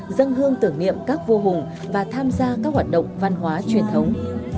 dân hương tưởng niệm các vua hùng và tham gia các hoạt động văn hóa truyền thống